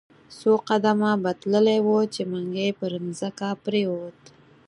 څو قدمه به تللی وو، چې منګی پر مځکه پریووت.